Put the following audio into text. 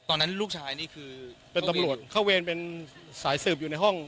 ตอนนั้นลูกชายนี่คือเป็นตำรวจเข้าเวรเป็นสายสืบอยู่ในห้อง